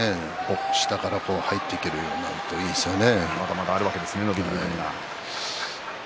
下から入っていけるようになるといいですね。